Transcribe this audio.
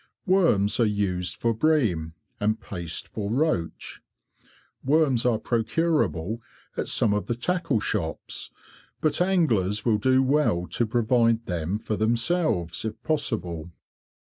Worms are used for bream, and paste for roach. Worms are procurable at some of the tackle shops, but anglers will do well to provide them for themselves if possible.